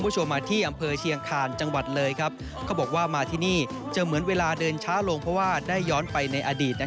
เชิญเชิญเชิญมามันเสียงโดนกรีสัน